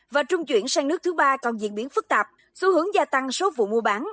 và trung chuyển sang nước thứ ba còn diễn biến phức tạp xu hướng gia tăng số vụ mua bán